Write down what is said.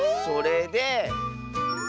それで。